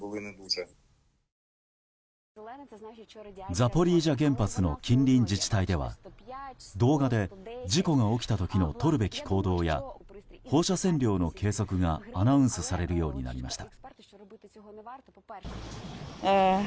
ザポリージャ原発の近隣自治体では動画で事故が起きた時のとるべき行動や放射線量の計測がアナウンスされるようになりました。